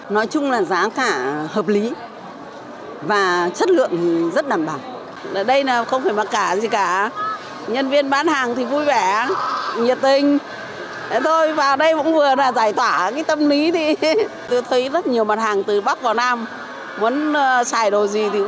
nói chung là giá cả hợp lý và chất lượng rất đảm bảo